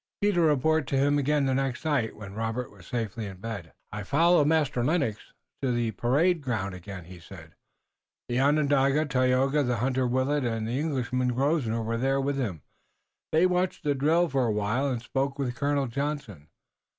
Peter reported to him again the next night, when Robert was safely in bed. "I followed Master Lennox to the parade ground again," he said. "The Onondaga, Tayoga, the hunter, Willet, and the Englishman, Grosvenor, were with him. They watched the drill for a while, and spoke with Colonel Johnson.